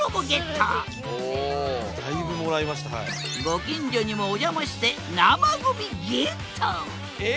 ご近所にもお邪魔して生ゴミゲット！え！